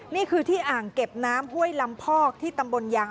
นี่คือที่อ่างเก็บน้ำห้วยลำพอกที่ตำบลยาง